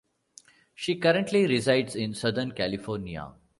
She currently resides in Southern California.